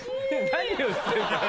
何をしてんだ？